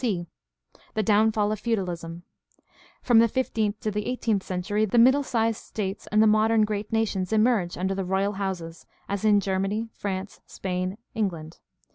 c) The downfall of feudalism. — From the fifteenth to the eighteenth century the middle sized states and the modern great nations emerge under the royal houses, as in Germany, France, Spain, England.